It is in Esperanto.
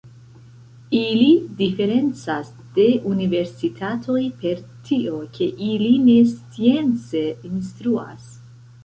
Ili diferencas de universitatoj per tio, ke ili ne science instruas.